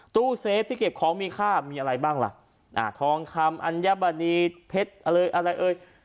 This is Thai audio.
ตู้เซฟที่เก็บของมีค่ามีอะไรบ้างล่ะอ่าทองคำอัญมณีเพชรอะไรอะไรเอ่ย